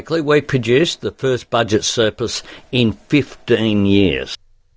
kita membuat permukaan budget pertama dalam lima belas tahun